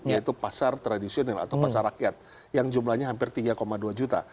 yaitu pasar tradisional atau pasar rakyat yang jumlahnya hampir tiga dua juta